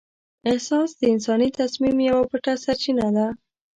احساس د انساني تصمیم یوه پټه سرچینه ده.